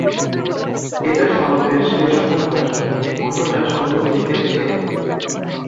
এটা শরৎের শেষ সময়ের, অন্যটা শুরুর দিকের ছিল।